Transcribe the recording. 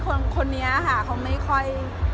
คนนี้ค่ะเขาไม่ค่อย